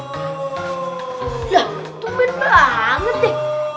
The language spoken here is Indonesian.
lah tumben banget deh